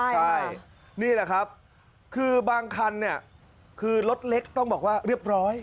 ใช่นี่แหละครับคือบางคันเนี่ยคือรถเล็กต้องบอกว่าเรียบร้อย